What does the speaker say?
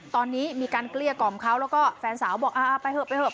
ตอนนี้มีการเกลี้ยกล่อมเขาแล้วก็แฟนสาวบอกอ่าไปเถอะไปเถอ